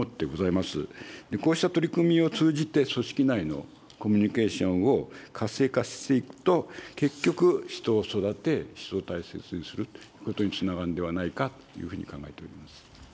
こうした取り組みを通じて、組織内のコミュニケーションを活性化していくと、結局、人を育て、人を大切にするということにつながるのではないかというふうに考えております。